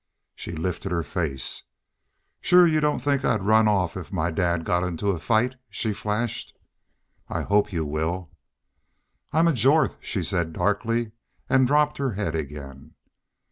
She lifted her face. "Shore y'u don't think I'd run off if my dad got in a fight?" she flashed. "I hope you will." "I'm a Jorth," she said, darkly, and dropped her head again.